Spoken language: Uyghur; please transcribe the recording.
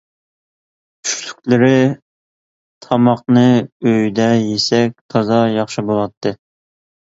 چۈشلۈكلىرى تاماقنى ئۆيدە يېسەك تازا ياخشى بولاتتى.